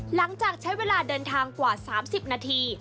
หลังจากใช้เวลาเดินทางกว่า๓๐นาที